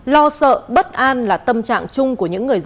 lo sợ bất an là tâm trạng chung của những người dân